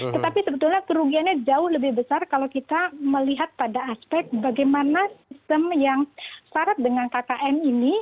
tetapi sebetulnya kerugiannya jauh lebih besar kalau kita melihat pada aspek bagaimana sistem yang syarat dengan kkn ini